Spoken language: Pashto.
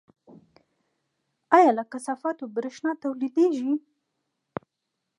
آیا له کثافاتو بریښنا تولیدیږي؟